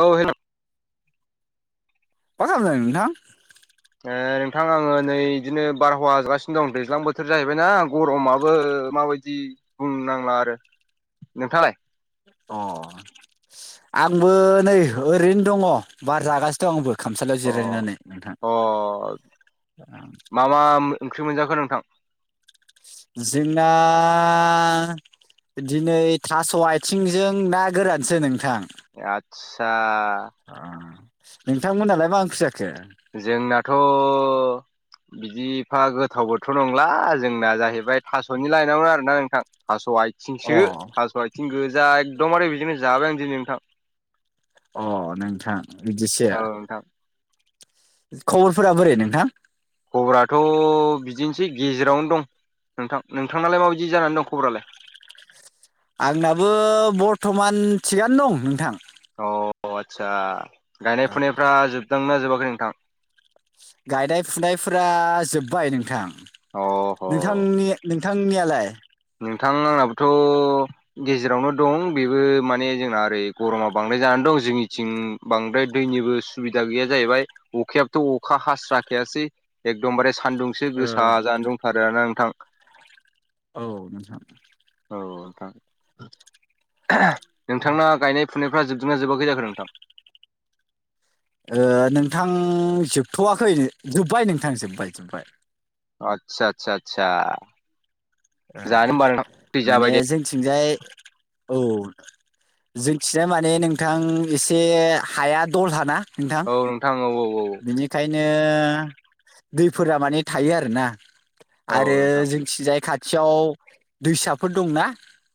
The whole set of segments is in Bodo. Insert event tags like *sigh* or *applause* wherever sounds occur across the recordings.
औ हेल' मा खालामदों नोंथां? ओ नोंथां आङो नै बिदिनो बारहावा जागासिनो दं दैज्लां बोथोर जाहैबायना गरमाबो माबायदि बुंनांला आरो। नोंथाङालाय? अ आंबो नै ओरैनो दङ बार जागासिनो दं आंबो खामसालियाव अ जिरायनानै नोंथां अ मा मा ओंख्रि मोनजाखो नोंथां? जोंना? दिनै थास' आथिंजों ना गोरानसो नोंथां। आतसा अ नोंथांमोनहालाय मा ओंख्रि जाखो? जोंनाथ' बिदिफा गोथावबोथ' नंला जोंना जाहैबाय थास'नि लायनामोन आरोना नोंथां। थास' अ आथिंसो थास' आथिं गोजा एखदमबार बिदिनो जाबाय आं दिनै नोंथां। अ नोंथां बिदिसो औ नोंथां खबरफोरा बोरै नोंथां? खबराथ' बिदिनोसै गेजेरावनो दं नोंथां। नोंथांनालाय माबायदि जानानै दं खबरालाय? आंनाबो बर्थमान थिगानो दं नोंथां। अ आदसा गायनाय फुनायफ्रा जोबदोंना जोबाखै नोंथां? गायनाय फुनायफोरा जोब्बाय नोंथां। अह नोंथांनि नोंथांनियालाय? नोंथां आंनाबोथ' गेजेरावनो दं बेबो माने जोंना ओरै गरमा बांद्राय जानानै दं जोंनिथिं बांद्राय दैनिबो सुबिदा गैया जाहैबाय अखायाबोथ' अखा हास्राखायासै एकदमबारे सान्दुंसो ओ गोसा जानो दंथारो ना नोंथां। औ नोंथां नोंथांना गायनाय फुनायफ्रा जोबदोंना जोबाखै जाखो नोंथां? नोंथां जोबथ'वाखै जोब्बाय नोंथां जोबबाय जोब्बाय। आतसा आतसा आतसा माने जाबाय दे जोंथिंजाय औ जोंथिनाय माने नोंथां एसे हाया दलहाना। नोंथां। औ औ औ बेनि खायनो दैफोरा माने थायो आरोना औ आरो नोंथां जोंथिंजाय खाथियाव दैसाफोर दंना।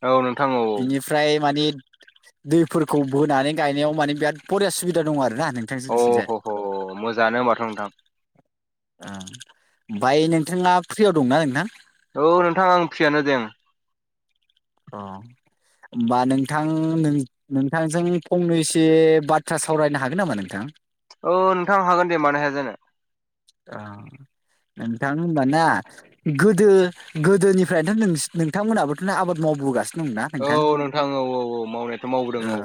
औ नोंथां औ औ ओमफ्राय मानि दैफोरखौ बोनानै गायनायाव माने बिराद बरिया सुबिदा दं आरो ना नों अ ह ह मोजाङानो होनबाथ' नोंथां *unintelligible* ओमफ्राय नोंथाङा फ्रियाव दंना नोंथां? औ नोंथां आं फ्रियानो दे ओं। अ होमबा नोंथां नों नोंथांजों फंनैसे बाथ्रा सावरायनो हागोन नामा नोंथां? औ नोंथां हागोन दे मानो हाया जानो। *unintelligible* थांनो होनबा ना गोदो गोदोनिफ्रायनो नोंस- नोंथांमोनहाबोथ' आबाद मावबोगासिनो दं ना? औ नोंथां औ औ औ मावनायाथ' मावबोदों ओ औ।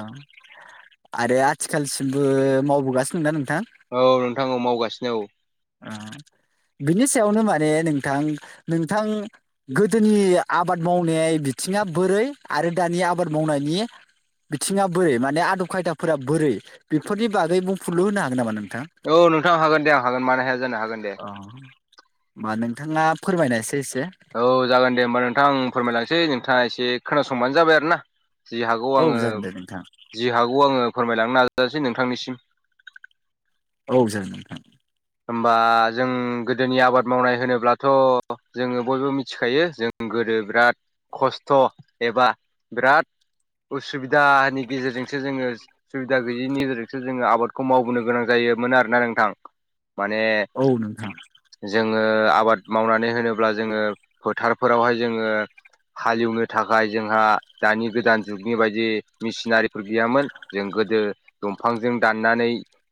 आरो आथिखालसिमबो मावबोगासिनो दं ना नोंथां? औ नोंथां मावगासिनो औ बिनि सायावनो माने नोंथां नोंथां गोदोनि आबाद मावनाय बिथिङा बोरै आरो दानि आबाद मावनायनि बिथिङा बोरै माने आदब खायदाफोरा बोरै बेफोरनि बागै बुंफलु होनो हागोन नामा नोंथां? औ नोंथाङा हागोन दे आं हागोन मानो हाया जानो हागोन दे। अ होमबा नोंथाङा फोरमायनायसै एसे औ जागोन दे होमबा नोंथां आं फोरमायलांनोसै नोंथाङा एसे खोनासंबानो जाबाय आरो ना जि हागौ औ आङो जागोन दे नोंथां जि हागौ आङो फोरमायलांनो नाजानोसै नोंथांनिसिम औ जागोन नोंथां होमबा जों गोदोनि आबाद मावनाय होनोब्लाथ' जोङो बयबो मिथिखायो जों गोदो बिराद खस्थ' एबा बिराद उसुबिदानि गेजेरजोंसो जोङो सुबिदा गैयिनि गेजेरजोंसो जोङो आबादखौ मावबोनो गोनां जायोमोन आरोना नोंथां। माने औ नोंथां जोङो आबाद मावनानै होनोब्ला जोङो फोथारफोरावहाय जोङो हालेवनो थाखाय जोंहा दानि गोदान जुगनि बायदि मेसिनारिफोर गैयामोन। जों गोदो दंफांजों दाननानै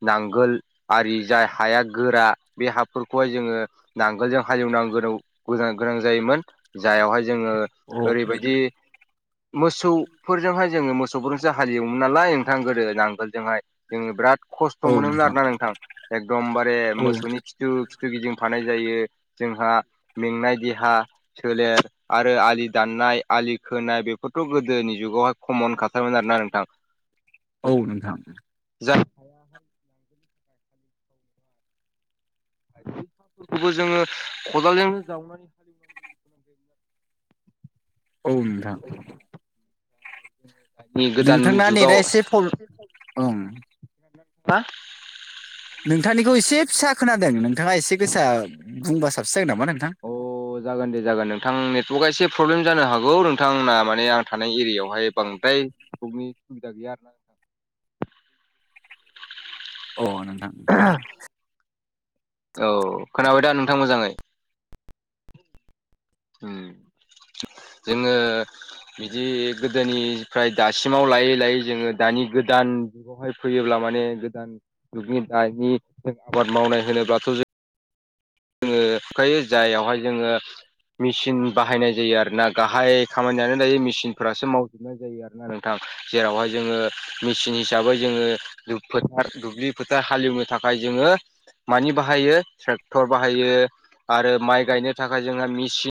नांगोल आरि जाय हाया। गोरा बे हाफोरखौहाय जोङो नांगोलजों हालेवनांगोन गोनां जायोमोन। जायावहाय जोङो औ ओरैबायदि मोसौफोरजोंहाय जोङो मोसौ। सौजोंसो हालेवोमोन नालाय नोंथां गोदो नांगोलजोंहाय। जोङो बिराद खस्थ मोनोमोन आरोना नोंथां एकदमबारे औ मोसौनि। खिथु खिथु गिदिंफानाय जायो जोंहा मेंनाय देहा सोलेर। आरो आलि दाननाय आलि खोनाय बेफोरथ गोदोनि जुगावहाय कमन खाथारोमोन आरोना नोंथां। औ नोंथां जा खौबो जोङो खदालजोंनो जावनानै औ नोंथां *inaudible* दानि गोदान नोंथांना नेटआ जुगाव एसे खम ओं *unintelligible* नोंथांनिखौ एसे फिसा खोनादों नोंथाङा एसे गोसा बुंबा साबसिन जागोन नामा नोंथां। अ जागोन दे जागोन नोंथां नेटवर्कआ एसे प्रब्लेम जानो हागौ नोंथांना माने आं थानाय एरियायावहाय बांद्राय। बेनि सुबिदा गैया आरोना। नोंथां। अ नोंथां औ खोनाबाय दा नोंथां मोजाङै। उम जोङो बिदि गोदोनिफ्राय दासिमाव लायै लायै जोङो दानि गोदान। यावहाय फैयोब्ला माने गोदान जुगनि दानि जों आबाद मावनाय होनोब्लाथ जों जोङो फुथायो जाययावहाय जोङो। मेचिन बाहायनाय जायो आरो ना गाहाय खामानियानो दायो मेसिनफोरासो मावजोबनाय जायो आर नोंथां जेरावहाय जोङो मेचिन हिसाबै जोङो। फोथार दुब्लि फोथार हालेवनो थाखाय जोङो मानि बाहायो ट्रेक्टर। टर बाहायो आरो माइ गायनो थाखाय जोंहा मेचिन।